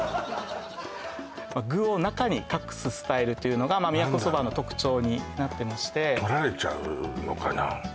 具を中に隠すスタイルというのが宮古そばの特徴になってまして取られちゃうのかな？